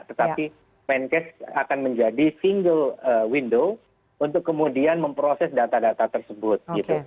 tetapi menkes akan menjadi single window untuk kemudian memproses data data tersebut